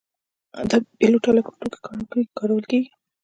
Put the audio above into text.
دا په بې پیلوټه الوتکو کې کارول کېږي.